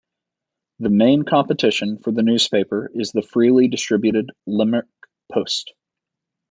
The main competition for the newspaper is the freely distributed "Limerick Post".